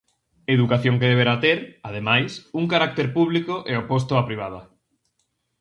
Educación que deberá ter, ademais, un carácter público e oposto á privada.